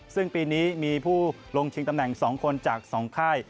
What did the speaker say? ซึ่งปีนี้มีผู้ลงชิงตำแหน่ง๒คนจาก๒ค่าย